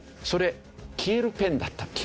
それ消えるペンだった。